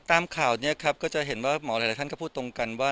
ตามข่าวนี้ครับก็จะเห็นว่าหมอหลายท่านก็พูดตรงกันว่า